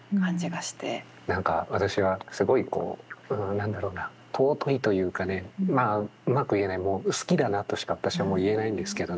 何か私はすごいこう何だろうな尊いというかねうまく言えないもう好きだなとしか私は言えないんですけどね